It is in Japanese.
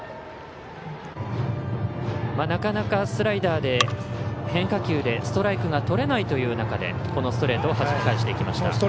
なかなか、スライダーで変化球でストライクがとれないという中でこのストレートをはじき返していきました。